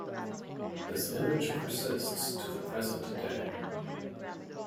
This image persists to the present day.